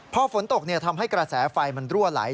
พอฝนตกทำให้กระแสไฟมันรั่วไหล